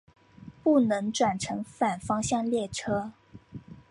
不能转乘反方向列车。